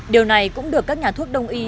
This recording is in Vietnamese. điều này cũng được các nhà thuốc đông y